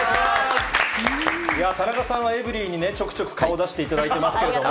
田中さんはエブリィにね、ちょくちょく顔を出していただいていますけれども。